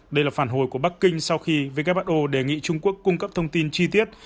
đây là phản hồi của bắc kinh sau khi who đề nghị trung quốc cung cấp thông tin chi tiết